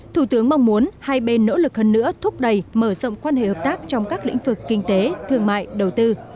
thủ tướng mong muốn hai bên nỗ lực hơn nữa thúc đẩy mở rộng quan hệ hợp tác trong các lĩnh vực kinh tế thương mại đầu tư